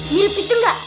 mirip itu enggak